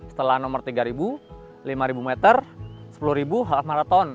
setelah nomor tiga ribu lima meter sepuluh half marathon